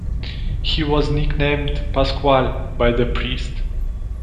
He was nicknamed "Pasquale" by the priest.